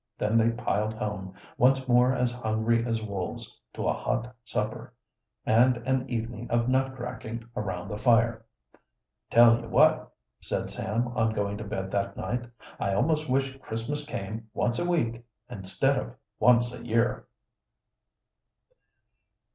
Then they piled home, once more as hungry as wolves, to a hot supper, and an evening of nut cracking around the fire. "Tell you what," said Sam on going to bed that night, "I almost wish Christmas came once a week instead of once a year!"